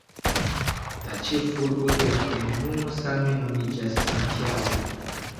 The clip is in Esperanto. La ĉefurbo de la komunumo same nomiĝas "Santiago".